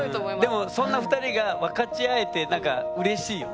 でもそんな２人が分かち合えてなんかうれしいよね。